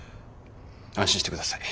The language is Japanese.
安心してください。